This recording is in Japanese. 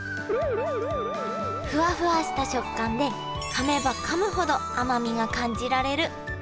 フワフワした食感でかめばかむほど甘みが感じられる。